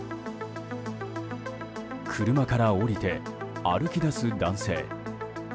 車から降りて歩き出す男性。